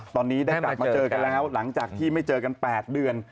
ตอนนี้ได้กลับมาเจอกันแล้วหลังจากที่ไม่เจอกัน๘เดือน